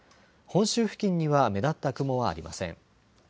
本州付近には目立った雲はありません。